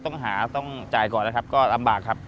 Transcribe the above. ต้องหาต้องจ่ายก่อนนะครับก็ลำบากครับ